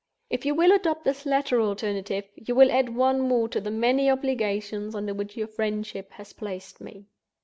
"If you will adopt this latter alternative, you will add one more to the many obligations under which your friendship has placed me.